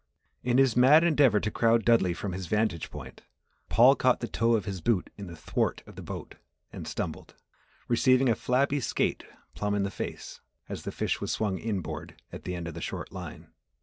In his mad endeavour to crowd Dudley from his vantage point, Paul caught the toe of his boot in the thwart of the boat and stumbled, receiving a flabby skate plumb in his face, as the fish was swung inboard at the end of the short line.